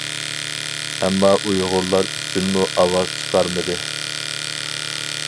ئەمما ئۇيغۇرلار ئۈچۈنمۇ ئاۋاز چىقارمىدى.